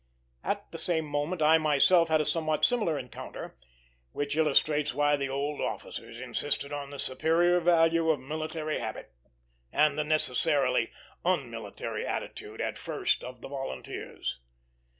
At the same moment, I myself had a somewhat similar encounter, which illustrates why the old officers insisted on the superior value of military habit, and the necessarily unmilitary attitude, at first, of the volunteers.